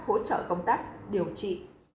hỗ trợ công tác điều trị